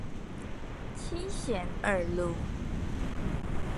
七賢二路